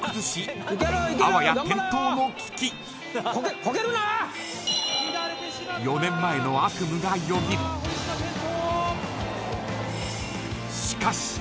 しかし。